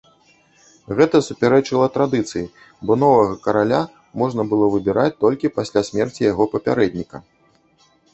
Гэта супярэчыла традыцыі, бо новага караля можна было выбіраць толькі пасля смерці яго папярэдніка.